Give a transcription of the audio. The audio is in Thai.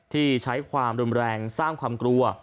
ที่ใช้ความรุนแรงสร้างความกลัว